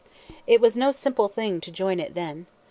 It was no simple thing to join it then.